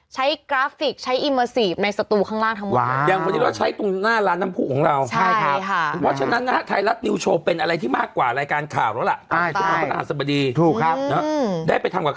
กราฟิกใช้อิเมอร์ซีฟในสตูข้างล่างทั้งหมด